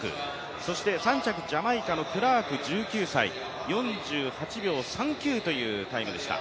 そして３着、ジャマイカのクラーク１９歳、４８秒３９というタイムでした。